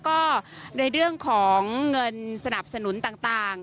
ก็ในเรื่องของเงินสนับสนุนต่าง